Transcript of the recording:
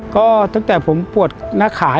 ก็ตั้งแต่ผมปวดหน้าขา